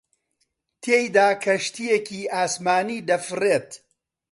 تێیدا کەشتییەکی ئاسمانی دەفڕێت